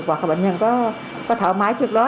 hoặc là bệnh nhân có thở mái trước đó